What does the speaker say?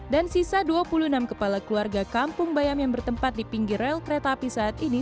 dan sisa dua puluh enam kepala keluarga kampung bayam yang bertempat di pinggir rel kereta api saat ini